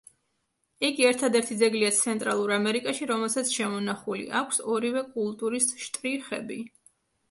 იგი ერთადერთი ძეგლია ცენტრალურ ამერიკაში, რომელსაც შემონახული აქვს ორივე კულტურის შტრიხები.